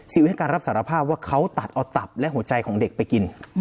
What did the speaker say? ให้การรับสารภาพว่าเขาตัดเอาตับและหัวใจของเด็กไปกิน